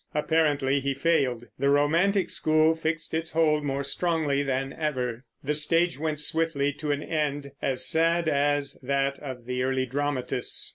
Apparently he failed; the romantic school fixed its hold more strongly than ever; the stage went swiftly to an end as sad as that of the early dramatists.